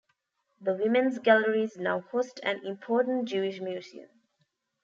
The women's galleries now host an important Jewish museum.